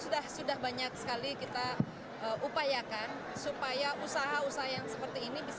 sudah sudah banyak sekali kita upayakan supaya usaha usaha yang seperti ini